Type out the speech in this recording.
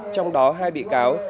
trong đó hai bị cáo